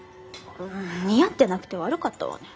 似合ってなくて悪かったわね。